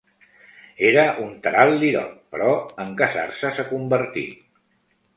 Era un taral·lirot, però en casar-se s'ha convertit.